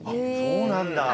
そうなんだ。